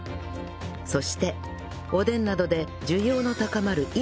そしておでんなどで需要の高まる